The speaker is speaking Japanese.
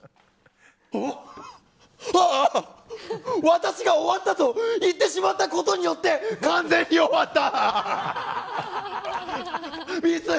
私が終わったと言ってしまったことによって完全に終わった！